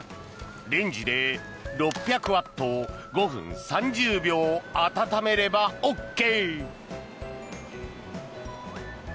レンジで６００ワット５分３０秒温めればＯＫ。